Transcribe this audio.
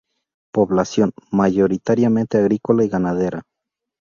Población mayoritariamente agrícola y ganadera.